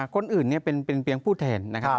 คนอื่นเป็นเพียงผู้แทนนะครับ